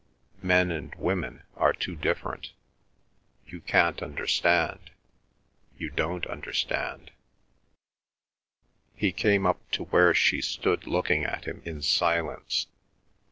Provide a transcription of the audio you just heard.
Men and women are too different. You can't understand—you don't understand—" He came up to where she stood looking at him in silence.